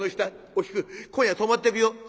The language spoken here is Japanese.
「お菊今夜泊まってくよ」。